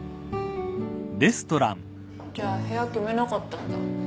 じゃあ部屋決めなかったんだ。